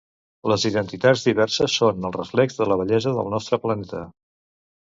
Les identitats diverses són el reflex de la bellesa del nostre planeta.